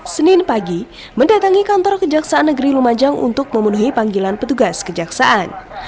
senin pagi mendatangi kantor kejaksaan negeri lumajang untuk memenuhi panggilan petugas kejaksaan